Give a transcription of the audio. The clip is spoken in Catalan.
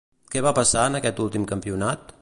Què va passar en aquest últim campionat?